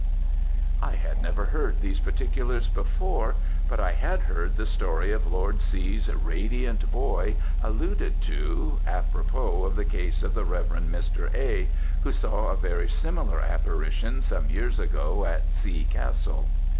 "I had never heard these particulars before; but I had heard the story of Lord C.'s Radiant Boy alluded to, ápropos of the case of the Rev. Mr. A., who saw a very similar apparition some years ago at C. Castle.